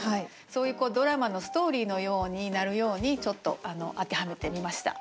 そういうドラマのストーリーのようになるようにちょっと当てはめてみました。